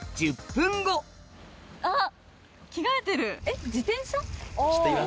あっ！